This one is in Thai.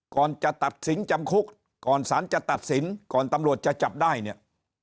ก่อนจะตัดสินจำคุกก่อนสารจะตัดสินก่อนตำรวจจะจับได้เนี่ย